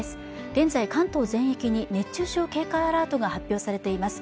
現在関東全域に熱中症警戒アラートが発表されています